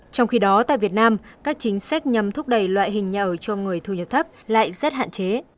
trong khi đó tại việt nam các chính sách nhằm thúc đẩy loại hình nhà ở cho người thu nhập thấp lại rất hạn chế